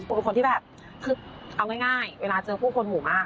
คือเอาง่ายเวลาเจอผู้คนหูมาก